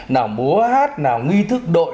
nào múa hát nào nghi thức đội